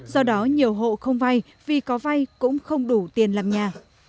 do đó nhiều hộ không vay vì có vay cũng không đủ tiền làm nhà